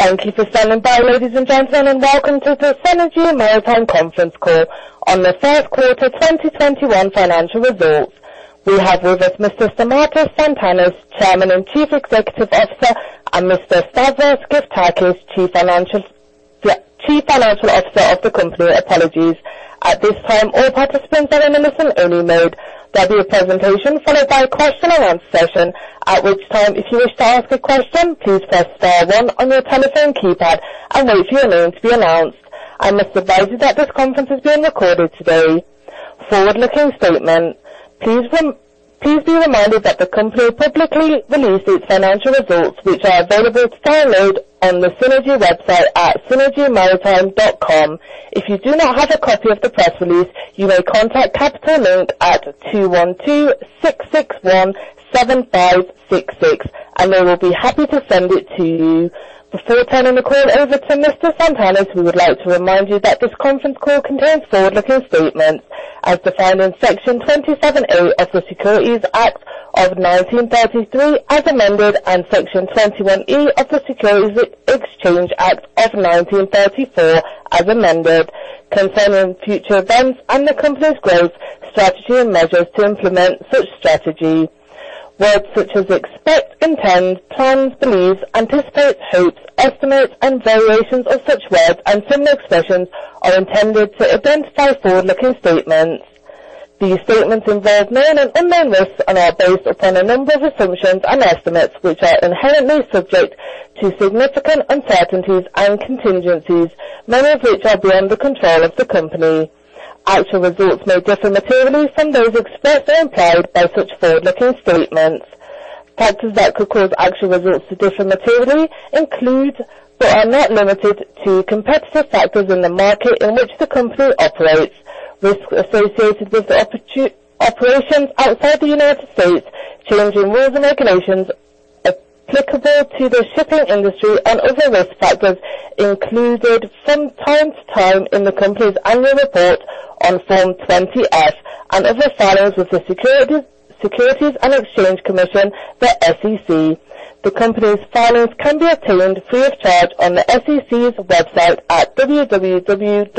Thank you for standing by, ladies and gentlemen, and welcome to the Seanergy Maritime conference call on the first quarter 2021 financial results. We have with us Mr. Stamatis Tsantanis, Chairman and Chief Executive Officer, and Mr. Stavros Gyftakis, Chief Financial Officer of the company. Apologies, at this time all participants are in a listen-only mode. There will be a presentation followed by a question and answer session, at which time if you wish to ask a question, please press star one on your telephone keypad. I must advise you that this conference is being recorded today Forward-looking statement. Please be reminded that the company publicly released its financial results, which are available to download on the Seanergy website at seanergymaritime.com. If you do not have a copy of the press release, you may contact Capital Link at 212-661-7566, and they will be happy to send it to you. Before turning the call over to Mr. Tsantanis, we would like to remind you that this conference call contains forward-looking statements as defined in Section 27A of the Securities Act of 1933 as amended, and Section 21E of the Securities Exchange Act of 1934 as amended, concerning future events and the company's growth, strategy, and measures to implement such strategy. Words such as expect, intend, plan, believe, anticipate, hope, estimate, and variations of such words and similar expressions are intended to identify forward-looking statements. These statements involve known and unknown risks and are based upon a number of assumptions and estimates, which are inherently subject to significant uncertainties and contingencies, many of which are beyond the control of the company. Actual results may differ materially from those expressed or implied by such forward-looking statements. Factors that could cause actual results to differ materially include but are not limited to competitive factors in the market in which the company operates, risks associated with operations outside the United States, changing rules and regulations applicable to the shipping industry, and other risk factors included from time to time in the company's annual report on Form 20-F and other filings with the Securities and Exchange Commission, the SEC. The company's filings can be obtained free of charge on the SEC's website at www.sec.gov.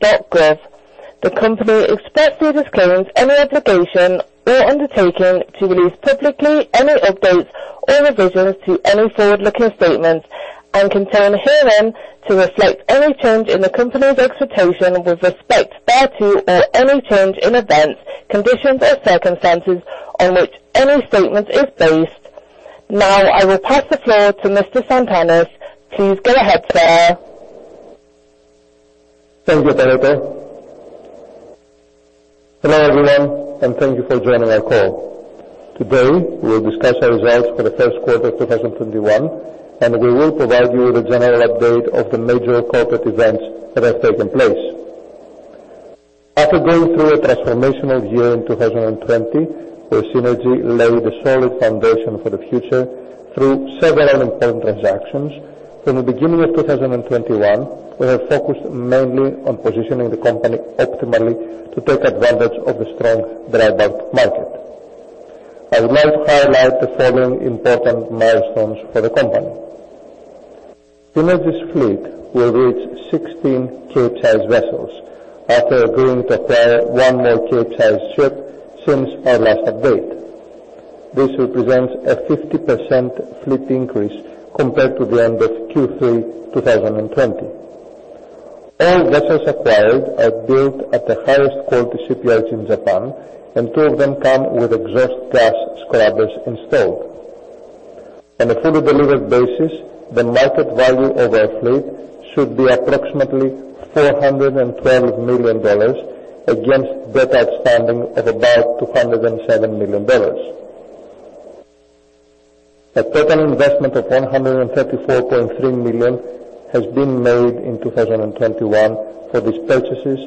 The company expressly disclaims any obligation or undertaking to release publicly any updates or revisions to any forward-looking statement, and can hear them to reflect any change in the company's expectations with respect thereto or any change in events, conditions, or circumstances on which any statement is based. Now I will pass the floor to Mr. Tsantanis. Please go ahead, sir. Thank you, operator. Hello, everyone, and thank you for joining our call. Today, we will discuss our results for the first quarter 2021. We will provide you with a general update of the major corporate events that have taken place. After going through a transformational year in 2020, where Seanergy laid a solid foundation for the future through several important transactions, from the beginning of 2021, we have focused mainly on positioning the company optimally to take advantage of the strength of the dry bulk market. I would like to highlight the following important milestones for the company. Seanergy's fleet will reach 16 Capesize vessels after agreeing to acquire one more Capesize ship since our last update. This represents a 50% fleet increase compared to the end of Q3 2020. All vessels acquired are built at the highest quality shipyards in Japan, and two of them come with exhaust gas scrubbers installed. On a fully delivered basis, the market value of our fleet should be approximately $412 million against debt outstanding of about $207 million. A total investment of $134.3 million has been made in 2021 for these purchases,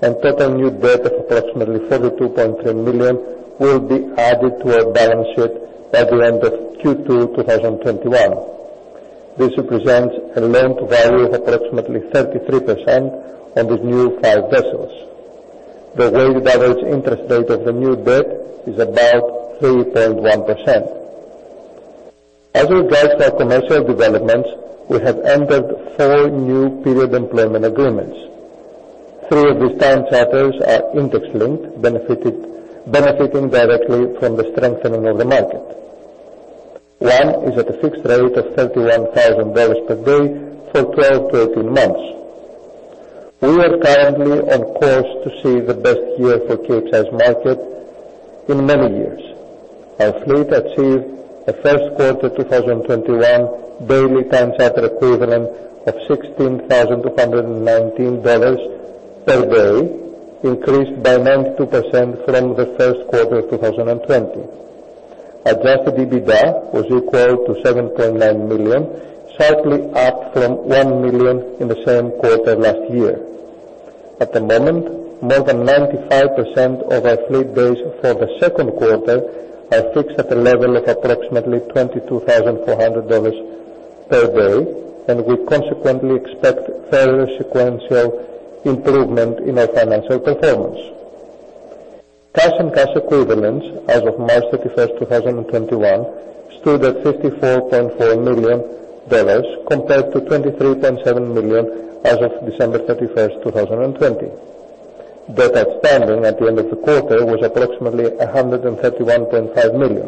and total new debt of approximately $32.3 million will be added to our balance sheet at the end of Q2 2021. This represents a loan-to-value of approximately 33% on these new five vessels. The weighted average interest rate of the new debt is about 3.1%. As regards our commercial developments, we have entered four new period employment agreements. Three of these time charters are index-linked, benefiting directly from the strengthening of the market. One is at a fixed rate of $31,000 per day for 12-18 months. We are currently on course to see the best year for Capesize market in many years. Our fleet achieved a first quarter 2021 daily Time Charter Equivalent of $16,219 per day, increased by 92% from the first quarter 2020. Adjusted EBITDA was equal to $7.9 million, slightly up from $1 million in the same quarter last year. At the moment, more than 95% of our fleet days for the second quarter are fixed at a level of approximately $22,400 per day. We consequently expect further sequential improvement in our financial performance. Cash and cash equivalents as of March 31st, 2021, stood at $54.4 million compared to $23.7 million as of December 31st, 2020. Debt outstanding at the end of the quarter was approximately $131.5 million.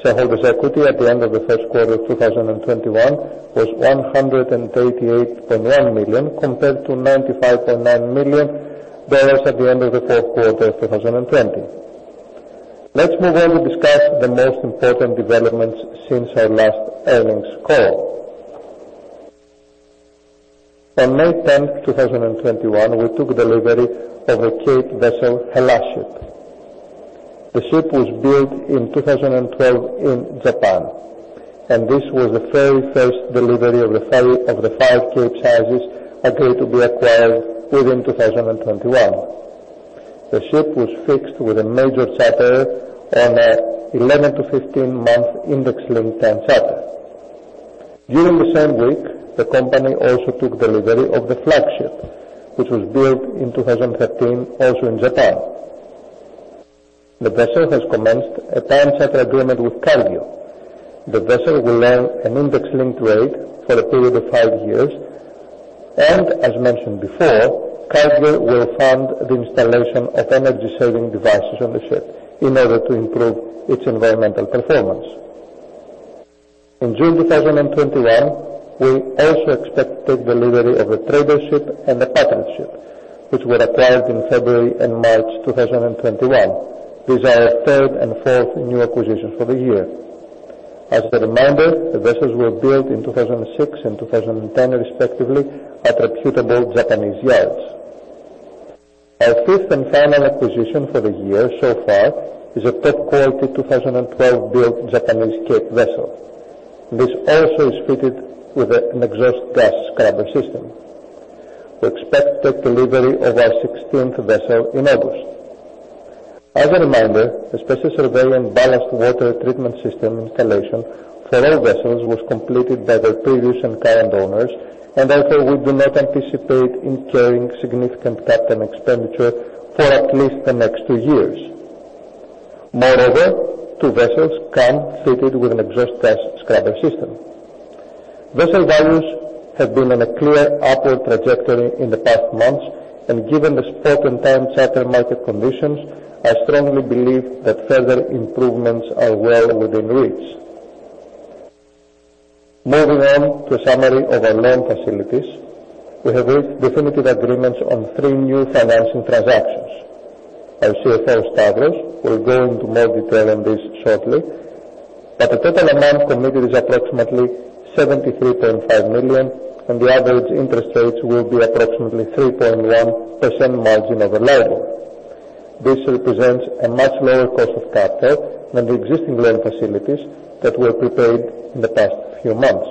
Shareholders' equity at the end of the first quarter of 2021 was $138.1 million, compared to $95.9 million at the end of the fourth quarter of 2020. Let's move on to discuss the most important developments since our last earnings call. On May 10th, 2021, we took delivery of a Cape vessel, Hellasship. The ship was built in 2012 in Japan. This was the very first delivery of the five Cape sizes agreed to be acquired during 2021. The ship was fixed with a major charterer on an 11-15-month index-linked time charter. During the same week, the company also took delivery of the Flagship, which was built in 2013, also in Japan. The vessel has commenced a time charter agreement with Cargill. The vessel will earn an index-linked rate for a period of five years. As mentioned before, Cargill will fund the installation of energy-saving devices on the ship in order to improve its environmental performance. In June 2021, we also expect to take delivery of a Tradership and the Partnership, which were acquired in February and March 2021. These are our third and fourth new acquisitions for the year. As you remember, the vessels were built in 2006 and 2010 respectively at reputable Japanese yards. Our fifth and final acquisition for the year so far is a top-quality 2012-built Japanese Cape vessel, which also is fitted with an exhaust gas scrubber system. We expect to take delivery of our 16th vessel in August. As a reminder, the special survey and ballast water treatment system installation for our vessels was completed by their previous and current owners, and therefore, we do not anticipate incurring significant capital expenditure for at least the next two years. Moreover, two vessels come fitted with an exhaust gas scrubber system. Vessel values have been on a clear upward trajectory in the past months, and given the spot and time charter market conditions, I strongly believe that further improvements are well within reach. Moving on to a summary of our loan facilities. We have reached definitive agreements on three new financing transactions. Our CFO, Stavros, will go into more detail on this shortly, but the total amount committed is approximately $73.5 million, and the average interest rates will be approximately 3.1% margin over LIBOR. This represents a much lower cost of capital than the existing loan facilities that were prepaid in the past few months.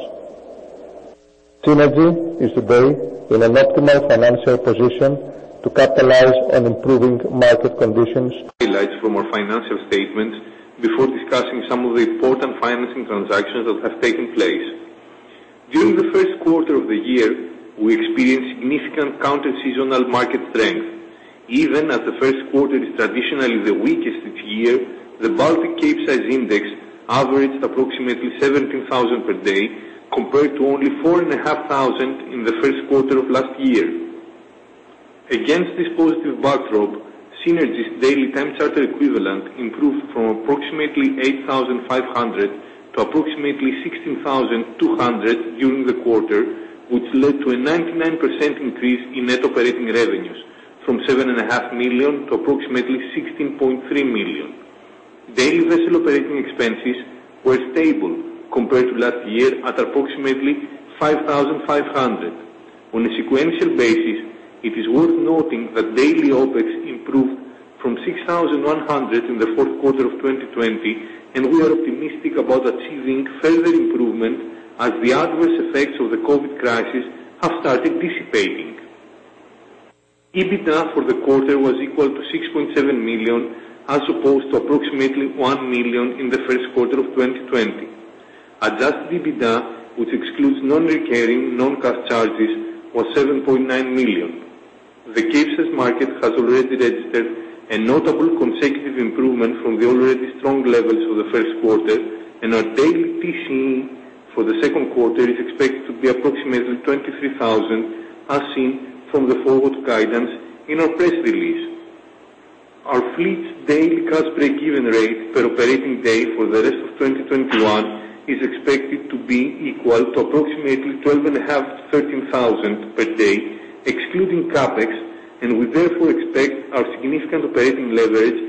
Seanergy is today in an optimal financial position to capitalize on improving market conditions. Highlights from our financial statements before discussing some of the important financing transactions that have taken place. During the first quarter of the year, we experienced significant counter-seasonal market strength. Even as the first quarter is traditionally the weakest each year, the Baltic Capesize Index averaged approximately $17,000 per day, compared to only $4,500 in the first quarter of last year. Against this positive backdrop, Seanergy's daily Time Charter Equivalent improved from approximately $8,500 to approximately $16,200 during the quarter, which led to a 99% increase in net operating revenues from $7.5 million to approximately $16.3 million. Daily vessel operating expenses were stable compared to last year at approximately $5,500. On a sequential basis, it is worth noting that daily OpEx improved from $6,100 in the fourth quarter of 2020, and we are optimistic about achieving further improvement as the adverse effects of the COVID crisis have started dissipating. EBITDA for the quarter was equal to $6.7 million, as opposed to approximately $1 million in the first quarter of 2020. Adjusted EBITDA, which excludes non-recurring non-cash charges, was $7.9 million. The Capesize market has already registered a notable consecutive improvement from the already strong levels of the first quarter, and our daily TCE for the second quarter is expected to be approximately 23,000, as seen from the forward guidance in our press release. Our fleet's daily cash break-even rate per operating day for the rest of 2021 is expected to be equal to approximately $12,500, $13,000 per day, excluding CapEx, and we, therefore, expect our significant operating leverage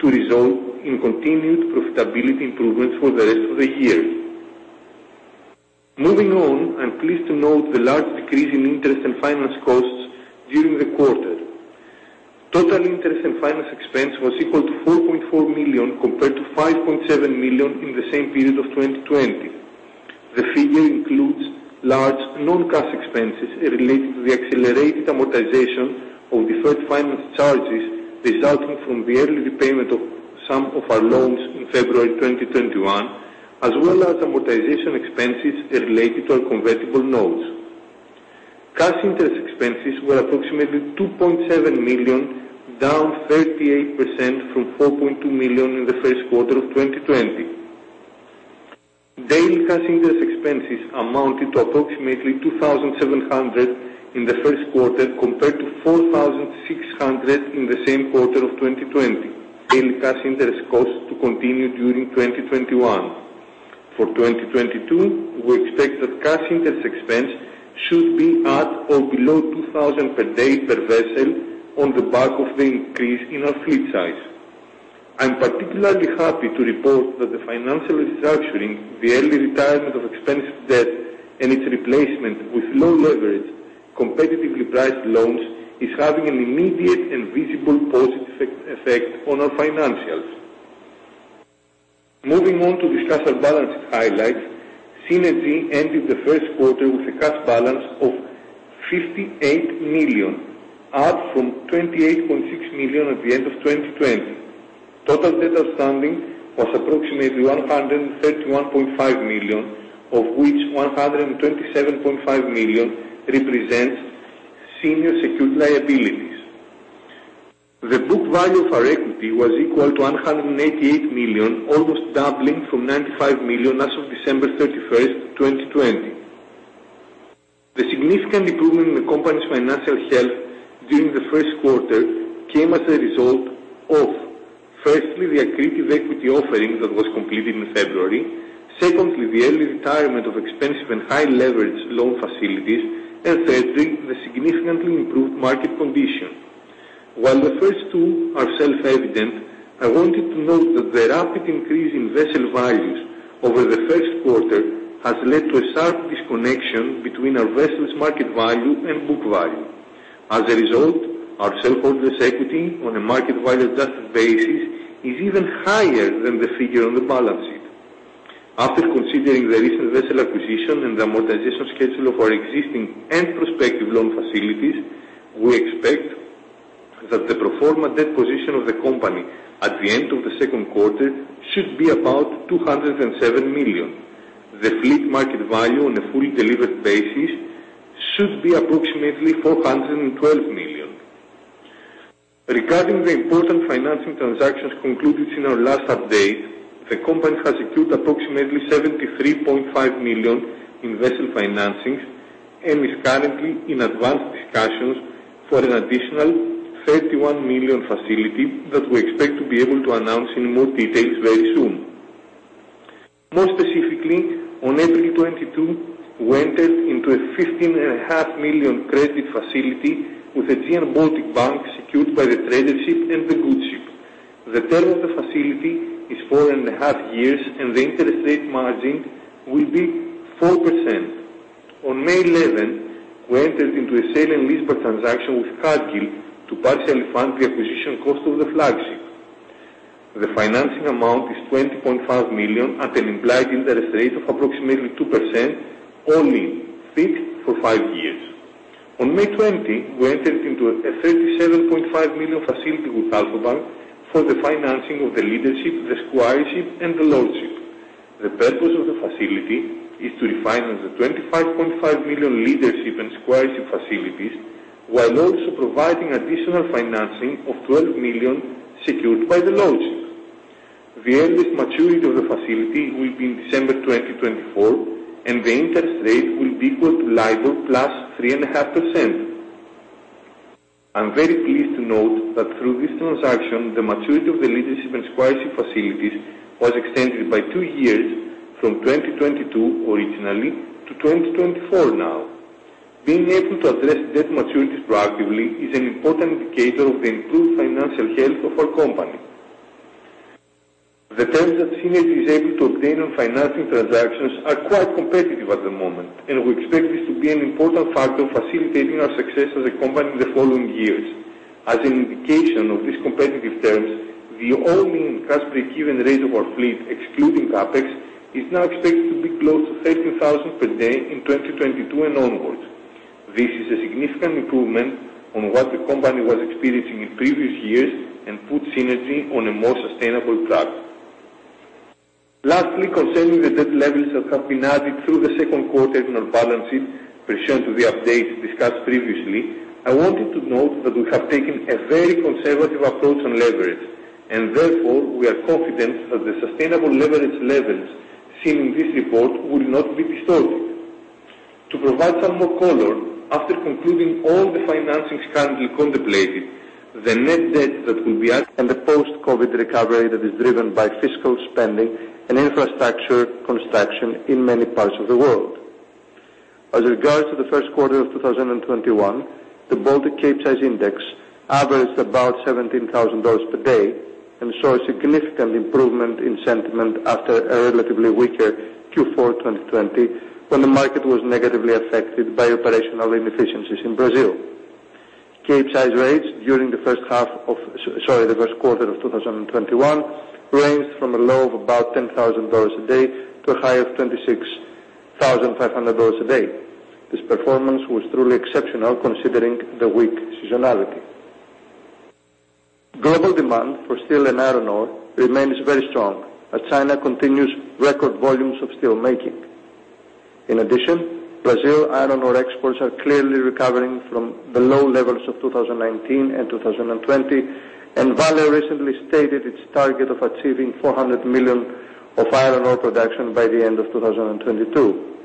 to result in continued profitability improvements for the rest of the year. Moving on, I'm pleased to note the large decrease in interest and finance costs during the quarter. Total interest and finance expense was equal to $4.4 million compared to $5.7 million in the same period of 2020. The figure includes large non-cash expenses related to the accelerated amortization of deferred finance charges resulting from the early repayment of some of our loans in February 2021, as well as amortization expenses related to our convertible notes. Cash interest expenses were approximately $2.7 million, down 38% from $4.2 million in the first quarter of 2020. Daily cash interest expenses amounted to approximately $2,700 in the first quarter, compared to $4,600 in the same quarter of 2020. Daily cash interest costs to continue during 2021. For 2022, we expect that cash interest expense should be at or below $2,000 per day per vessel on the back of the increase in our fleet size. I'm particularly happy to report that the financial restructuring, the early retirement of expensive debt, and its replacement with low leverage, competitively priced loans is having an immediate and visible positive effect on our financials. Moving on to discuss our balance sheet highlights, Seanergy ended the first quarter with a cash balance of $58 million, up from $28.6 million at the end of 2020. Total debt outstanding was approximately $131.5 million, of which $127.5 million represents senior secured liabilities. The book value of our equity was equal to $188 million, almost doubling from $95 million as of December 31st, 2020. The significant improvement in the company's financial health during the first quarter came as a result of, firstly, the accretive equity offering that was completed in February, secondly, the early retirement of expensive and high-leverage loan facilities, and thirdly, the significantly improved market condition. While the first two are self-evident, I wanted to note that the rapid increase in vessel values over the first quarter has led to a sharp disconnection between our vessels' market value and book value. As a result, our shareholders' equity on a market value adjusted basis is even higher than the figure on the balance sheet. After considering the recent vessel acquisition and amortization schedule of our existing and prospective loan facilities, we expect that the pro forma debt position of the company at the end of the second quarter should be about $207 million. The fleet market value on a fully delivered basis should be approximately $412 million. Regarding the important financing transactions concluded in our last update, the company has secured approximately $73.5 million in vessel financings and is currently in advanced discussions for an additional $31 million facility that we expect to be able to announce in more details very soon. More specifically, on April 22, we entered into a $15.5 million credit facility with Aegean Baltic Bank, secured by the Tradership and the Goodship. The term of the facility is four and a half years, and the interest rate margin will be 4%. On May 11, we entered into a sale and leaseback transaction with Cargill to partially fund the acquisition cost of the Flagship. The financing amount is $20.5 million at an implied interest rate of approximately 2% all-in, fixed for five years. On May 20, we entered into a $37.5 million facility with Alpha Bank for the financing of the Leadership, the Squireship, and the Lordship. The purpose of the facility is to refinance the $25.5 million Leadership and Squireship facilities, while also providing additional financing of $12 million secured by the Lordship. The earliest maturity of the facility will be in December 2024. The interest rate will be equal to LIBOR plus 3.5%. I'm very pleased to note that through this transaction, the maturity of the Leadership and Squireship facilities was extended by two years from 2022 originally to 2024 now. Being able to address debt maturities proactively is an important indicator of the improved financial health of our company. The terms that Seanergy is able to obtain on financing transactions are quite competitive at the moment, and we expect this to be an important factor facilitating our success as a company in the following years. As an indication of these competitive terms, the all-in cash break-even rate of our fleet excluding CapEx is now expected to be close to $13,000 per day in 2022 and onwards. This is a significant improvement on what the company was experiencing in previous years and puts Seanergy on a more sustainable track. Lastly, concerning the debt levers that have been added through the second quarter to our balance sheet, pursuant to the update discussed previously, I wanted to note that we have taken a very conservative approach on leverage. Therefore, we are confident that the sustainable leverage levels seen in this report will not be distorted. To provide some more color, after concluding all the financings currently contemplated. The post-COVID recovery that is driven by fiscal spending and infrastructure construction in many parts of the world. As regards to the first quarter of 2021, the Baltic Capesize Index averaged about $17,000 per day and saw a significant improvement in sentiment after a relatively weaker Q4 2020, when the market was negatively affected by operational inefficiencies in Brazil. Capesize rates during the first quarter of 2021 ranged from a low of about $10,000 a day to a high of $26,500 a day. This performance was truly exceptional considering the weak seasonality. Global demand for steel and iron ore remains very strong as China continues record volumes of steel making. In addition, Brazil iron ore exports are clearly recovering from the low levels of 2019 and 2020, and Vale recently stated its target of achieving 400 million of iron ore production by the end of 2022.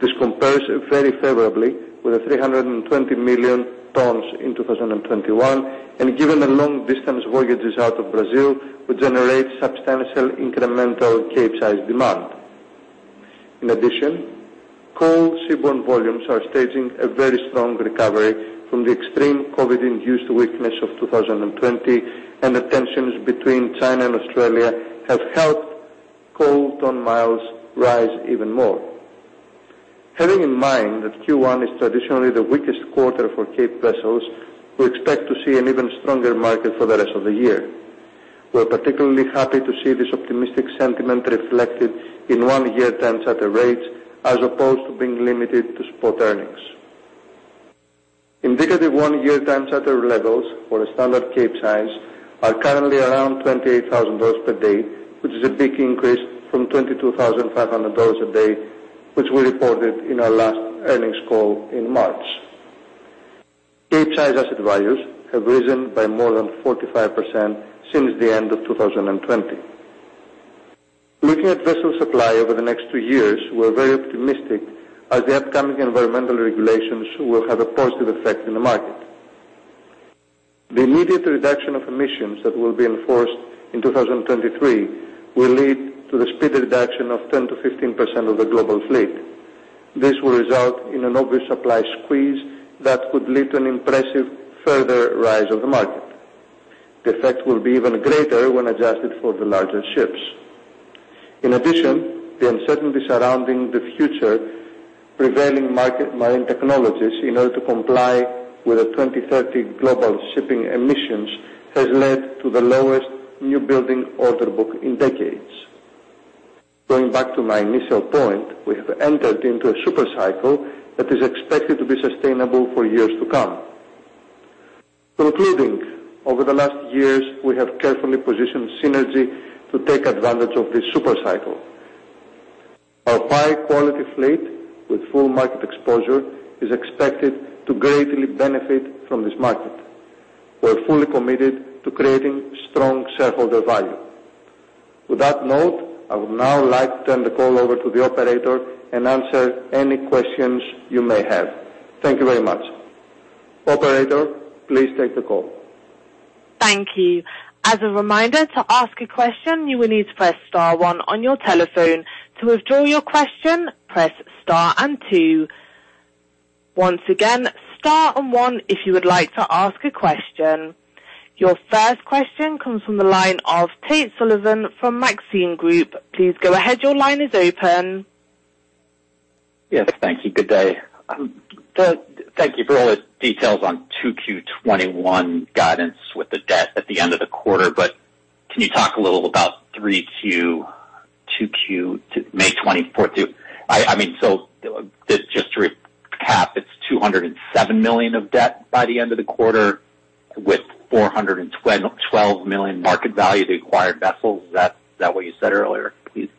This compares very favorably with the 320 million tons in 2021, and given the long-distance voyages out of Brazil, would generate substantial incremental Capesize demand. In addition, coal seaborne volumes are staging a very strong recovery from the extreme COVID-induced weakness of 2020, and the tensions between China and Australia have helped coal ton-miles rise even more. Having in mind that Q1 is traditionally the weakest quarter for Cape vessels, we expect to see an even stronger market for the rest of the year. We're particularly happy to see this optimistic sentiment reflected in one-year time charter rates, as opposed to being limited to spot earnings. Indicative one-year time charter levels for a standard Capesize are currently around $28,000 per day, which is a big increase from $22,500 a day, which we reported in our last earnings call in March. Capesize asset values have risen by more than 45% since the end of 2020. Looking at vessel supply over the next two years, we are very optimistic as the upcoming environmental regulations will have a positive effect on the market. The immediate reduction of emissions that will be enforced in 2023 will lead to the speedy reduction of 10%-15% of the global fleet. This will result in an obvious supply squeeze that could lead to an impressive further rise of the market. The effect will be even greater when adjusted for the larger ships. In addition, the uncertainty surrounding the future prevailing market-moving technologies in order to comply with the 2030 global shipping emissions has led to the lowest new building order book in decades. Going back to my initial point, we have entered into a super cycle that is expected to be sustainable for years to come. Concluding, over the last years, we have carefully positioned Seanergy to take advantage of this super cycle. Our high-quality fleet with full market exposure is expected to greatly benefit from this market. We are fully committed to creating strong shareholder value. With that note, I would now like to turn the call over to the operator and answer any questions you may have. Thank you very much. Operator, please take the call. Thank you. As a reminder, to ask a question, you will need to press star one on your telephone. To withdraw your question, press star and two. Once again, star and one if you would like to ask a question. Your first question comes from the line of Tate Sullivan from Maxim Group. Please go ahead. Your line is open. Yes, thank you. Good day. Thank you for all the details on 2Q 2021 guidance with the debt at the end of the quarter, but can you talk a little about 3Q, 2Q, May 24? Just to recap, it's $207 million of debt by the end of the quarter with $412 million market value to acquire vessels. Is that what you said earlier, please?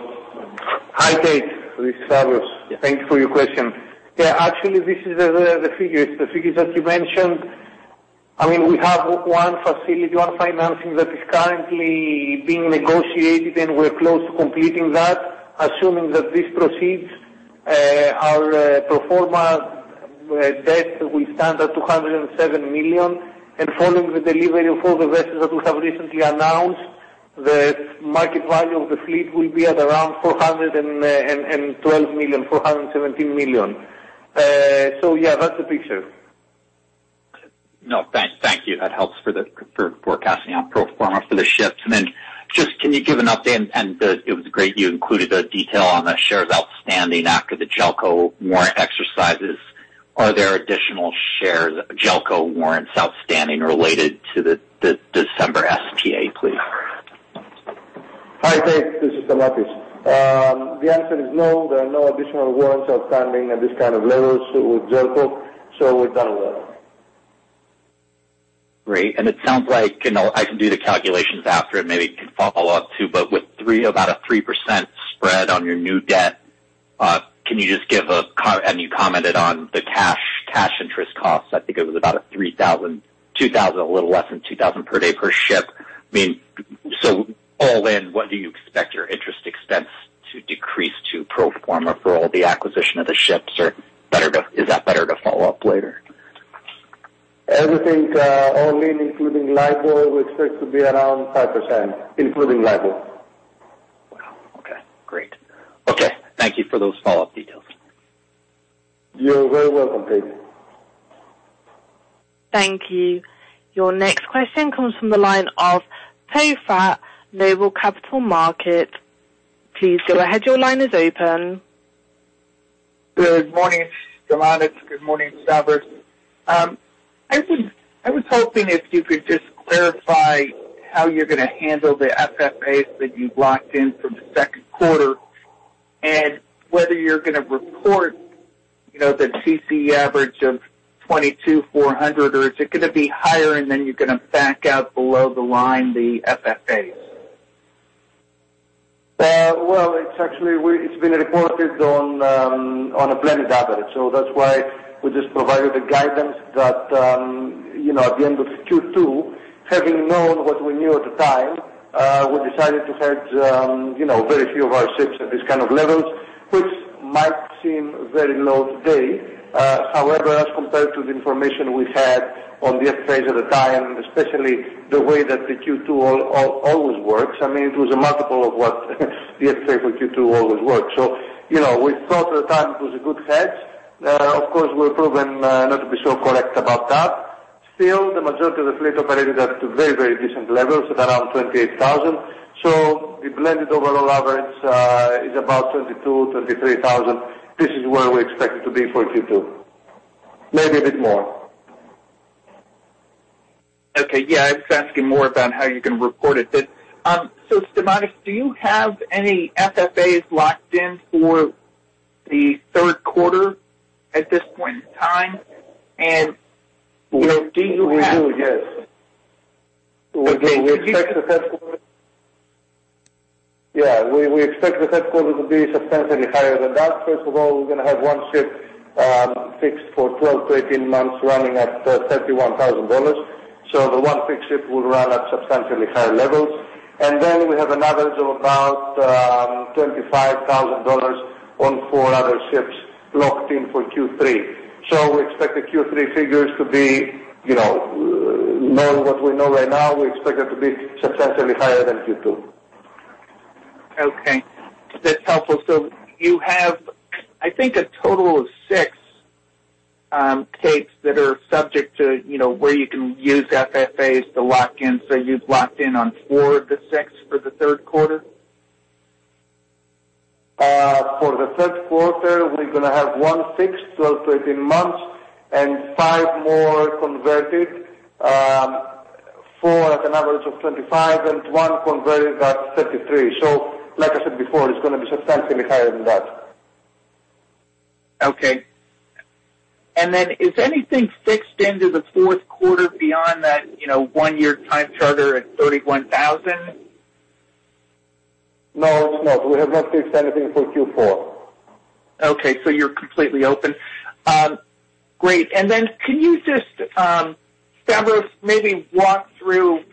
Hi, Tate. This is Stavros. Thanks for your question. Actually, this is the figure. It's the figures that you mentioned. We have one facility, one financing that is currently being negotiated, and we're close to completing that. Assuming that this proceeds, our pro forma debt will stand at $207 million, and following the delivery of all the vessels that we have recently announced, the market value of the fleet will be at around $412 million, $417 million. Yeah, that's the picture. No, thank you. That helps for the forecasting on pro forma for the ships. Just, can you give an update, and it was great you included the detail on the shares outstanding after the Jelco warrant exercises. Are there additional shares, Jelco warrants outstanding related to the December SPA, please? Hi, Tate. This is Stamatis. The answer is no, there are no additional warrants outstanding at this kind of level with Jelco, so we're done with that. Great. It sounds like, I can do the calculations after and maybe follow up, too. With about a 3% spread on your new debt, can you just give a comment, and you commented on the cash interest cost, I think it was about a $3,000, $2,000, a little less than $2,000 per day per ship. All in, what do you expect your interest expense to decrease to pro forma for all the acquisition of the ships, or is that better to follow up later? Everything all in including LIBOR, we expect to be around 5%, including LIBOR. Wow, okay, great. Okay. Thank you for those follow-up details. You're very welcome, Tate. Thank you. Your next question comes from the line of Poe Fratt, Noble Capital Markets. Please go ahead. Your line is open. Good morning, Stamatis. Good morning, Stavros. I was hoping if you could just clarify how you're going to handle the FFAs that you locked in for the second quarter, and whether you're going to report the TCE average of $22,400 or is it going to be higher and then you're going to back out below the line, the FFAs? Well, actually, it's been reported on a blended average. That's why we just provided the guidance that at the end of Q2, having known what we knew at the time, we decided to hedge very few of our ships at this kind of levels, which might seem very low today. However, as compared to the information we had on the FFAs at the time, and especially the way that the Q2 always works, it was a multiple of what the FFA for Q2 always works. We thought at the time it was a good hedge. Of course, we're proven not to be so correct about that. Still, the majority of the fleet operated at very decent levels of around $28,000. The blended overall average is about $22,000, $23,000. This is where we expect it to be for Q2. Maybe a bit more. Okay. Yeah. I'm just asking more about how you're going to report it. Stamatis, do you have any FFAs locked in for the third quarter at this point in time? We do, yes. Okay. We expect the third quarter to be substantially higher than that. First of all, we're going to have one ship fixed for 12-18 months running at $31,000. The one fixed ship will run at substantially higher levels. Then we have an average of about $25,000 on four other ships locked in for Q3. We expect the Q3 figures to be, knowing what we know right now, we expect it to be substantially higher than Q2. Okay. That's helpful. You have, I think, a total of six Capes that are subject to where you can use FFAs to lock in. You've locked in on four of the six for the third quarter? For the third quarter, we're going to have one fixed, 12-18 months, and five more converted, four at an average of $25,000 and one converted at $33,000. Like I said before, it's going to be substantially higher than that. Okay. Then is anything fixed into the fourth quarter beyond that one-year time charter at $31,000? No. We have not fixed anything for Q4. Okay, you're completely open. Great. Can you just, Stavros, maybe walk through?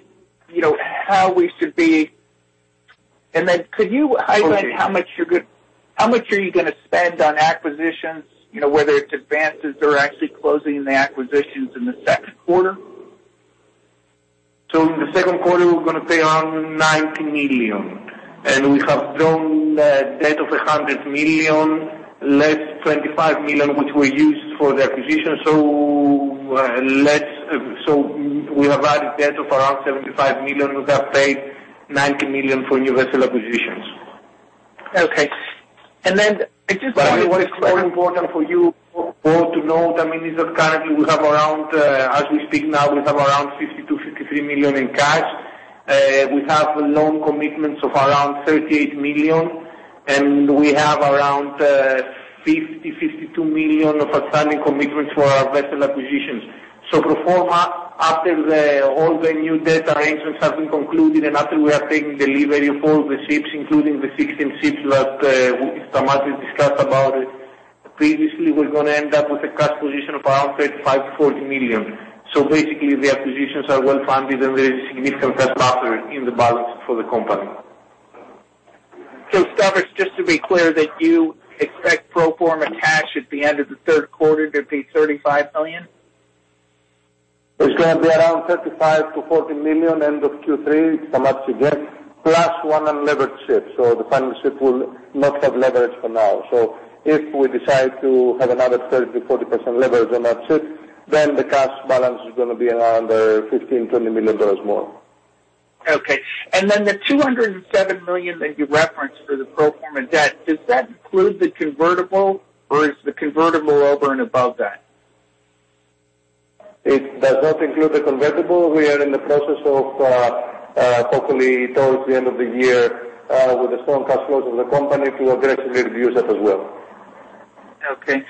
Could you highlight how much are you going to spend on acquisitions, whether it's advances or actually closing the acquisitions in the second quarter? In the second quarter, we're going to pay around $90 million, and we have drawn debt of $100 million, less $25 million, which we used for the acquisition. We have added debt of around $75 million. We have paid $90 million for new vessel acquisitions. Okay. What is more important for you all to know, is that currently, as we speak now, we have around $52 million, $53 million in cash. We have loan commitments of around $38 million, and we have around $50 million, $52 million of outstanding commitments for our vessel acquisitions. Pro forma, after all the new debt arrangements have been concluded and after we have taken delivery of all the ships, including the 16 ships that Stamatis discussed about previously, we're going to end up with a cash position of around $35 million-$40 million. Basically, the acquisitions are well-funded and there is significant cash buffer in the balance for the company. Stavros, just to be clear that you expect pro forma cash at the end of the third quarter to be $35 million? It's going to be around $35 million-$40 million end of Q3, Stamatis, again, plus one unlevered ship. The final ship will not have leverage for now. If we decide to have another 30%-40% leverage on that ship, then the cash balance is going to be around $15 million, $20 million more. Okay. Then the $207 million that you referenced for the pro forma debt, does that include the convertible, or is the convertible over and above that? It does not include the convertible. We are in the process of hopefully towards the end of the year with the strong [cash flows] of the company to aggressively reduce that as well. Okay.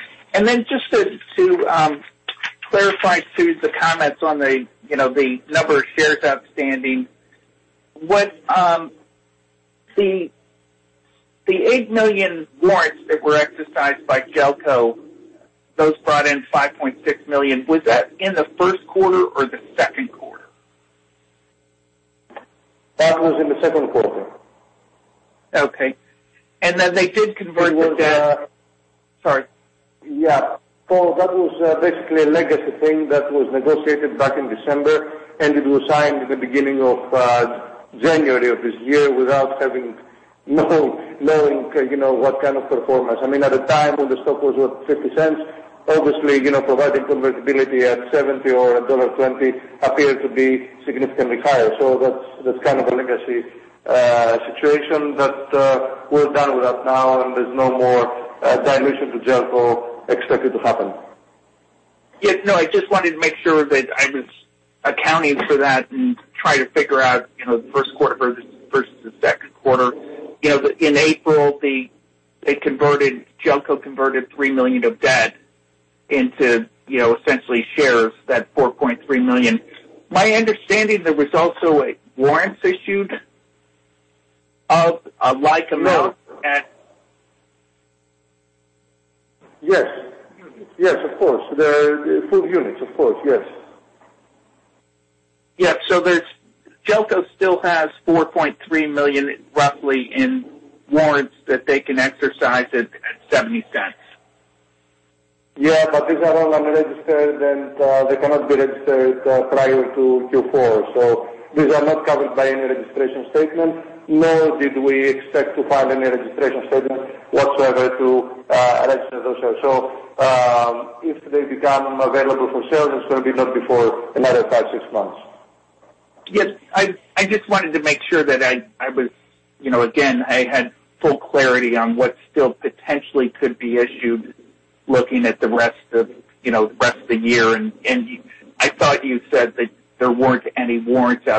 Just to clarify too, the comments on the number of shares outstanding. The 8 million warrants that were exercised by Jelco, those brought in $5.6 million. Was that in the first quarter or the second quarter? That was in the second quarter. Okay. Then they did convert the debt. It was— Sorry. Yeah. Poe, that was basically a legacy thing that was negotiated back in December, and it was signed in the beginning of January of this year without knowing what kind of performance. At the time when the stock was worth $0.50, obviously, providing convertibility at $0.70 or $1.20 appeared to be significantly higher. That's kind of a legacy situation that we're done with that now, and there's no more dilution to Jelco expected to happen. Yes. No, I just wanted to make sure that I was accounting for that and try to figure out the first quarter versus the second quarter. In April, Jelco converted $3 million of debt into essentially shares, that $4.3 million. My understanding there was also a warrants issued of a like amount. Yes. Of course. They are full units. Of course. Yes. Yeah. Jelco still has $4.3 million roughly in warrants that they can exercise at $0.70. These are all unregistered, and they cannot be registered prior to Q4. These are not covered by any registration statement, nor did we expect to file any registration statement whatsoever to register those shares. If they become available for sale, it's going to be not before another five, six months. Yes. I just wanted to make sure that, again, I had full clarity on what still potentially could be issued looking at the rest of the year. I thought you said that there weren't any warrants out.